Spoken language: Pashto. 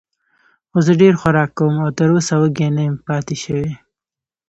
خو زه ډېر خوراک کوم او تراوسه وږی نه یم پاتې شوی.